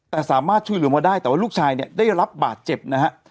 แต่สามารถช่วยเหลือมาได้แต่ว่าลูกชายเนี่ยได้รับบาดเจ็บนะฮะ